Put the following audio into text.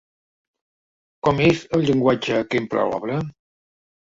Com és el llenguatge que empra l'obra?